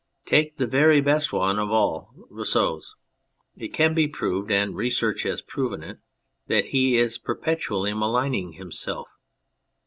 Take the very best one of all, Rousseau's ; it can be proved, and research has proved it, that he is per petually maligning himself.